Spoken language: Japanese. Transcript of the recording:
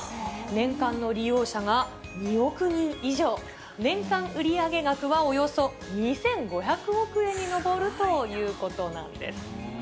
年間の利用者が２億人以上、年間売り上げ額はおよそ２５００億円に上るということなんです。